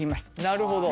なるほど。